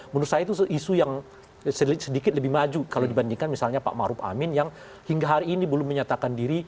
menurut saya itu isu yang sedikit lebih maju kalau dibandingkan misalnya pak maruf amin yang hingga hari ini belum menyatakan diri